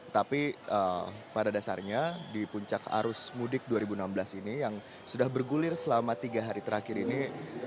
tapi pada dasarnya di puncak arus mudik dua ribu enam belas ini yang sudah bergulir selama tiga hari terakhir ini